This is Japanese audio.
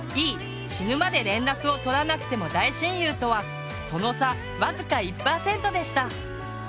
「死ぬまで連絡をとらなくても大親友」とはその差僅か１％でした。